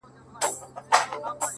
داسي وخت هم وو مور ويله راتــــــــــه!